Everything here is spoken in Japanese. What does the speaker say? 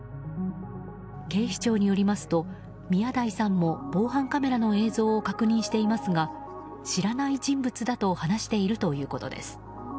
警視庁によりますと、宮台さんも防犯カメラの映像を確認していますが知らない人物だと話しているということです。